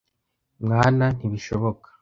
mwana ntibishoboka.